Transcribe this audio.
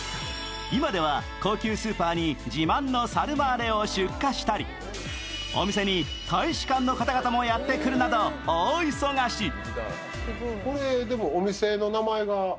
今では高級スーパーに自慢のサルマーレを出荷したり、お店に大使館の方々もやってくるなど大忙し。